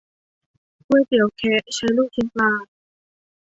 ก๋วยเตี๋ยวแคะ ใช้ลูกชิ้นปลา